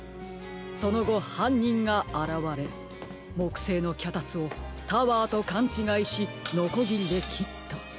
そのごはんにんがあらわれもくせいのきゃたつをタワーとかんちがいしのこぎりできった。